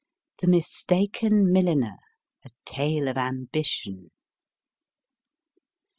THE MISTAKEN MILLINER. A TALE OP AMBITION.